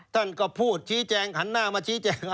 ท่านก็พูดชี้แจงหันหน้ามาชี้แจง